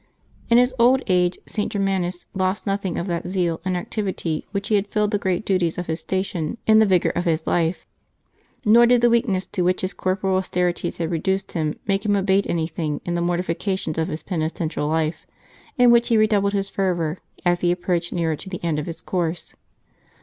In his old age St. Germanus lost nothing of that zeal and activity with which he had filled the great duties of his station in the vigor of his life; nor did the weakness to which his cor poral austerities had reduced him make him abate anything in the mortifications of his penitential life, in which he redoubled his fervor as he approached nearer to the end of his course.